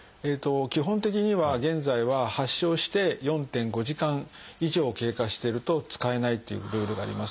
基本的には現在は発症して４．５時間以上経過してると使えないっていうルールがあります。